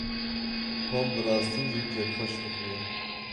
Tom bi rastî jî kêfxweş dixuye.